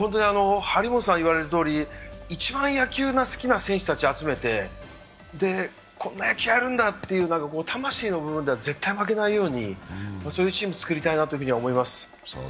一番野球が好きな選手たち集めてこんな野球あるんだという、魂の部分では絶対負けないようにそういうチームを作りたいなと思います。